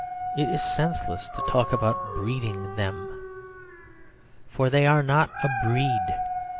It is senseless to talk about breeding them; for they are not a breed.